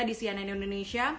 di cnn indonesia